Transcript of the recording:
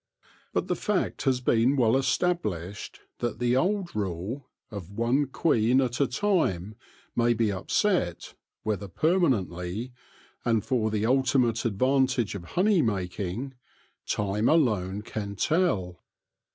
But the fact has been well established that the old rule, of one queen at a time, may be upset — whether permanently, and for the ultimate advantage of honey making, time alone can tell.